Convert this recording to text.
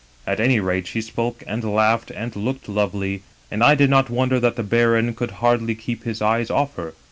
" At any rate she spoke and laughed and looked lovely, and I did not wonder that the baron could hardly keep his eyes off her.